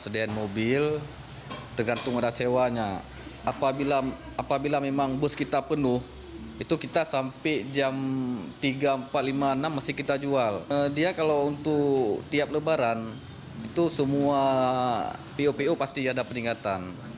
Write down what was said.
dia sewanya kalau untuk tiap lebaran itu semua po pasti ada peningkatan